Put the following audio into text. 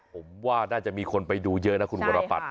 ผมว่าน่าจะมีคนไปดูเยอะนะคุณวรปัต